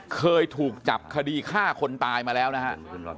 เคยถูกจับคดีฆ่าคนตายมาแล้วนะฮะ